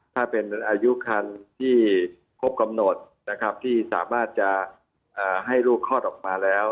ถ้าเป็นอายุคันที่ครบกำหนดนะครับที่สามารถจะให้ลูกคลอดออกมาแล้ว